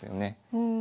うん。